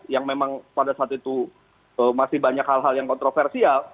yang memang pada saat itu masih banyak hal hal yang kontroversial